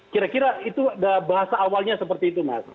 kira kira itu bahasa awalnya seperti itu mas